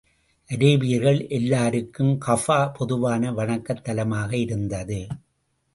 அரேபியர்கள் எல்லோருக்கும் கஃபா பொதுவான வணக்கத் தலமாக இருந்தது.